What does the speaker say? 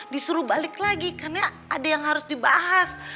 disuruh balik lagi karena ada yang harus dibahas